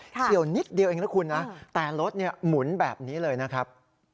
ี่ยวนิดเดียวเองนะคุณนะแต่รถหมุนแบบนี้เลยนะครับ